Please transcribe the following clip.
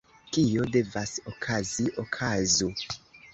Kio devas okazi, okazu!